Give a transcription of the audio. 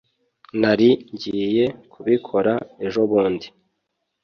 Nari ngiye kubikora ejobundi